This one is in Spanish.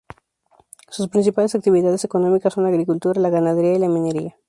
Sus principales actividades económicas son la agricultura, la ganadería y la minería.